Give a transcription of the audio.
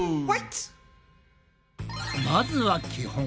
まずは基本。